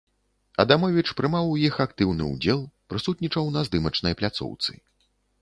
Адамовіч прымаў у іх актыўны ўдзел, прысутнічаў на здымачнай пляцоўцы.